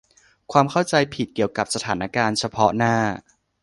ความเข้าใจผิดเกี่ยวกับสถานการณ์เฉพาะหน้า